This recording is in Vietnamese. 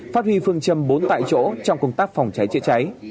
phát huy phương châm bốn tại chỗ trong công tác phòng cháy chữa cháy